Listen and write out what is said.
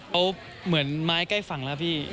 เอาเหมือนไม้ใกล้ฝั่งแล้วพี่